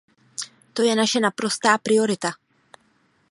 To je naše naprostá priorita.